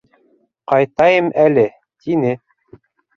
Ҡайтайым әле, — тине.